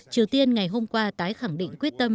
triều tiên ngày hôm qua tái khẳng định quyết tâm